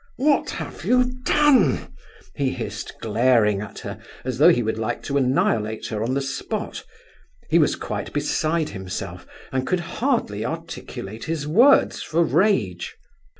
"What have you done?" he hissed, glaring at her as though he would like to annihilate her on the spot. He was quite beside himself, and could hardly articulate his words for rage.